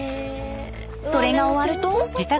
それが終わると。